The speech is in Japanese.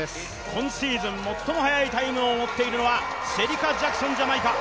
今シーズン最も速いタイムを持っているのはシェリカ・ジャクソンではないか。